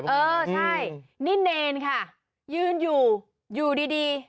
ใช่นี่เนทน่ะยืนอยู่อยู่ดีดี